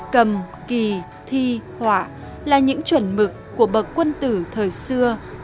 cầm kỳ thi họa là những chuẩn mực của bậc quân tử thời xưa